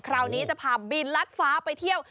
คราวนี้จะพาบินลัดฟ้าไปเที่ยว